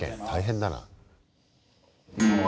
大変だな。